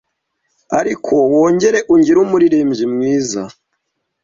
ariko wongere ungire Umuririmbyi mwiza